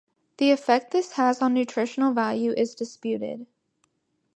The effect this has on nutritional value is disputed.